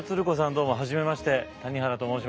どうも初めまして谷原と申します。